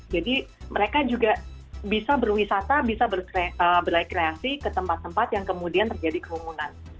jadi mereka juga bisa berwisata bisa berkreasi ke tempat tempat yang kemudian terjadi kerumunan